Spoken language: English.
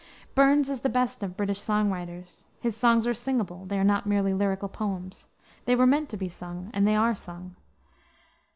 Burns is the best of British song writers. His songs are singable; they are not merely lyrical poems. They were meant to be sung, and they are sung.